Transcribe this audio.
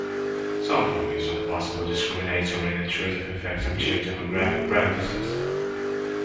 Some focus on the possible discriminatory and intrusive effects of geodemographic practices.